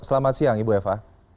selamat siang ibu eva